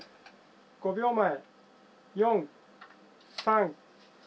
５秒前４３２。